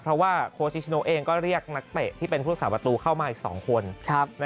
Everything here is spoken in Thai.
เพราะว่าโค้ชนิชโนเองก็เรียกนักเตะที่เป็นผู้สาประตูเข้ามาอีก๒คน